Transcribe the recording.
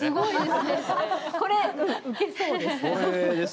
これ、うけそうです。